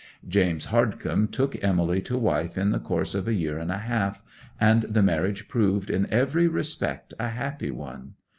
James Hardcome took Emily to wife in the course of a year and a half; and the marriage proved in every respect a happy one.